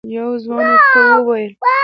یو ځوان ورته وویل: